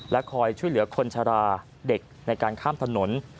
คอยช่วยเหลือคนชะลาเด็กในการข้ามถนน